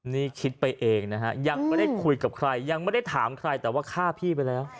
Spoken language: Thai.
นี่คิดไปเองนะฮะยังไม่ได้คุยกับใครยังไม่ได้ถามใครแต่ว่าฆ่าพี่ไปแล้ว